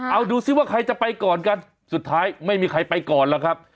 เอาดูซิว่าใครจะไปก่อนกันสุดท้ายไม่มีใครไปก่อนแล้วครับ